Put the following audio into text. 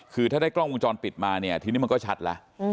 คือถ้าได้กล้องวงจรปิดมาเนี่ยทีนี้มันก็ชัดแล้ว